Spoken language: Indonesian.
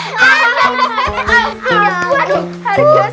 aduh harga sepatunya mahal banget